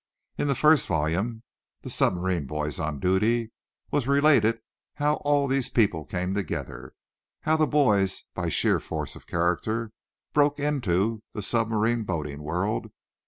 In the first volume, "The Submarine Boys on Duty," was related how all these people came together; how the boys, by sheer force of character "broke into" the submarine boating world.